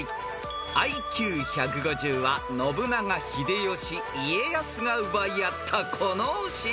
［ＩＱ１５０は信長秀吉家康が奪い合ったこのお城］